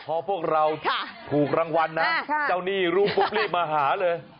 พอพวกเราถูกรางวัลนะเจ้าหนี้รู้ปุ๊บรีบมาหาเลย